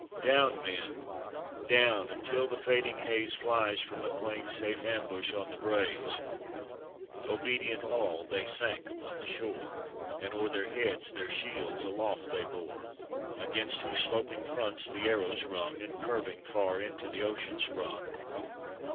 down, men ! down, until the fading haze Flies from MacLean's safe ambush on the braes." Obedient all, they sank upon the shore. And o'er their heads their shields aloft they bore, Against whose sloping fronts the arrows rung, And curving, far into the ocean sprung.